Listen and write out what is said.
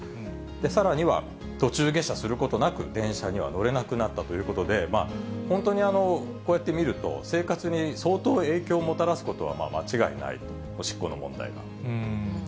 さらには、途中下車することなく電車には乗れなくなったということで、本当にこうやって見ると、生活に相当影響をもたらすことは間違いない、おしっこの問題が。